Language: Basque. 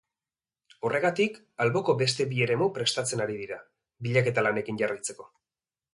Horregatik, alboko beste bi eremu prestatzen ari dira, bilaketa lanekin jarraitzeko.